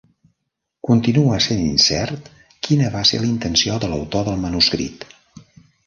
Continua essent incert quina va ser la intenció de l'autor del manuscrit.